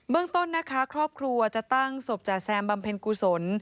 ต้นนะคะครอบครัวจะตั้งศพจาแซมบำเพ็ญกุศล